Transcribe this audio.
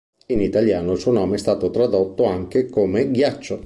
In italiano il suo nome è stato tradotto anche come "Ghiaccio".